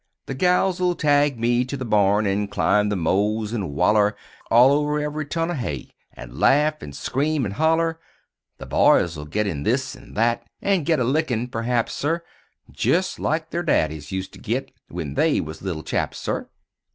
The gals 'll tag me to the barn; An' climb the mows, an' waller All over ev'ry ton o' hay An' laugh an' scream an' holler. The boys 'll git in this an' that; An' git a lickin' p'r'aps, sir Jest like the'r daddies used to git When they was little chaps, sir.